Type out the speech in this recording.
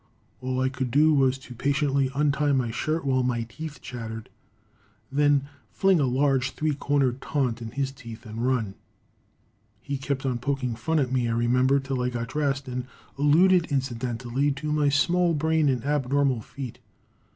All I could do was to patiently untie my shirt while my teeth chattered, then fling a large, three cornered taunt in his teeth and run. He kept on poking fun at me, I remember, till I got dressed, and alluded incidentally, to my small brain and abnormal feet.